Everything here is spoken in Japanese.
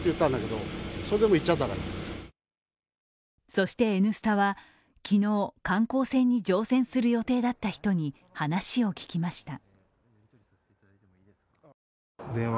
そして「Ｎスタ」は、昨日観光船に乗船する予定だった人に話を聞きました。